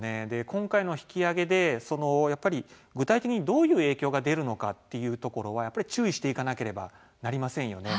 今回の引き上げで具体的にどういう影響が出るのかっていうところは注意していかなければなりませんよね。